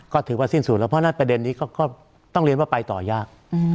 ก็ถือว่าสิ้นสุดแล้วเพราะฉะนั้นประเด็นนี้ก็ต้องเรียนว่าไปต่อยาก